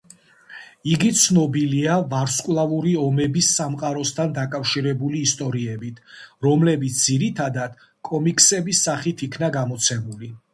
იგი ცნობილია „ვარსკვლავური ომების“ სამყაროსთან დაკავშირებული ისტორიებით, რომლებიც ძირითადად კომიქსების სახით იქნა გამოცემული.